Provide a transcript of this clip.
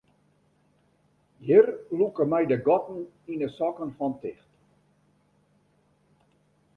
Hjir lûke my de gatten yn de sokken fan ticht.